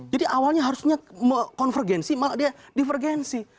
jadi awalnya harusnya konvergensi malah dia divergensi